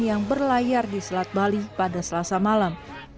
yang berlayar di selat bali pada selasa malam